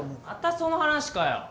またその話かよ。